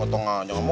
otong aja gak mau